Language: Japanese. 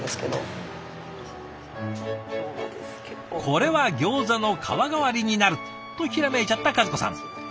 これはギョーザの皮代わりになるとひらめいちゃった和子さん。